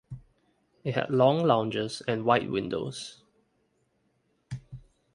It had long lounges and wide windows.